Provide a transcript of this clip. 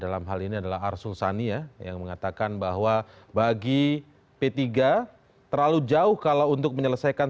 dalam hal ini adalah arsul sania yang mengatakan bahwa bagi p tiga terlalu jauh kalau untuk menyelesaikan